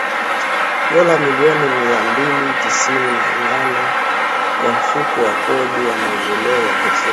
dola milioni mia mbili tisini na nane kwa Mfuko wa Kodi ya Maendeleo ya Petroli